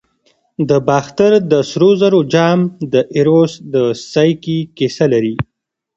د باختر د سرو زرو جام د ایروس او سایکي کیسه لري